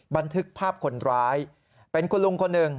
บันทึกภาพคนร้ายเป็นคุณลุงคนหนึ่ง